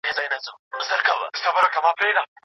فرهنګي توپیرونه باید درزونه پیدا نه کړي.